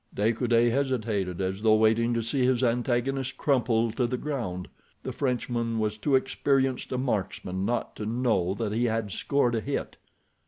De Coude hesitated, as though waiting to see his antagonist crumple to the ground. The Frenchman was too experienced a marksman not to know that he had scored a hit.